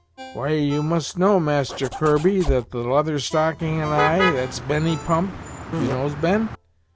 "Why, you must know, Master Kirby, that the Leather Stocking and I that's Benny Pump you knows Ben?